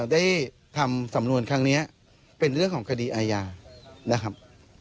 ได้ทำสำนวนครั้งนี้เป็นเรื่องของคดีอาญานะครับ